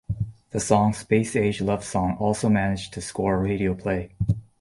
The song "Space Age Love Song" also managed to score radio play.